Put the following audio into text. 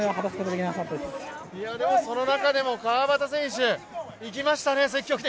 でも、そのなかでも川端選手、積極的に行きましたね。